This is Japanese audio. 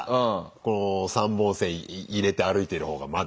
この３本線入れて歩いてる方がまだ。